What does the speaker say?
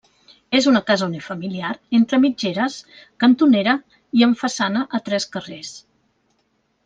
És una casa unifamiliar, entre mitgeres, cantonera i amb façana a tres carrers.